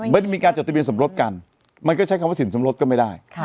ไม่ได้มีการจดทะเบียนสมรสกันมันก็ใช้คำว่าสินสมรสก็ไม่ได้